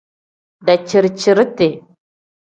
Daciri-ciriti.